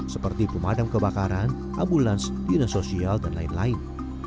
seperti pemadam kebakaran ambulans dinas sosial dan lain lain